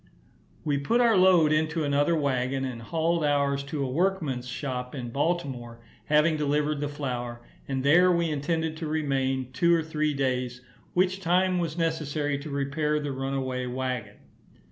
We put our load into another waggon, and hauled ours to a workman's shop in Baltimore, having delivered the flour, and there we intended to remain two or three days, which time was necessary to repair the runaway waggon.